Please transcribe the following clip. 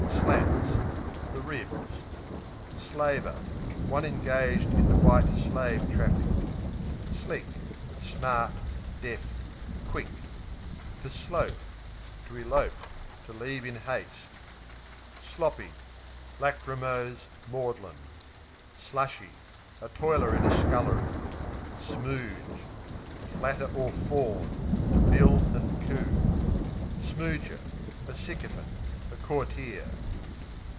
Slats The ribs. Slaver One engaged in the "white slave traffic." Slick Smart; deft; quick. Slope, to To elope; to leave in haste. Sloppy Lachrymose; maudlin. Slushy A toiler in a scullery. Smooge To flatter or fawn; to bill and coo. Smooger A sycophant; a courtier.